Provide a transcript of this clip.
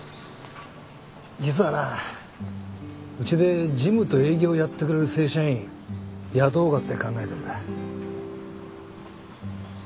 実はなうちで事務と営業やってくれる正社員雇おうかって考えてんだ。